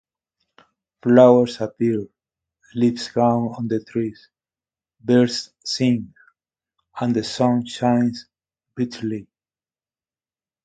Flowers appear, leaves grow on trees, birds sing, and the sun shines brightly.